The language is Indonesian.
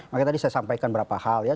makanya tadi saya sampaikan beberapa hal ya